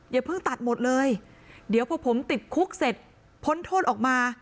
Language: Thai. อย่าเพิ่งตัดหมดเลยเดี๋ยวพอผมติดคุกเสร็จพ้นโทษออกมา